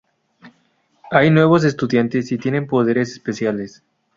Hay nuevos estudiantes y tienen poderes especiales.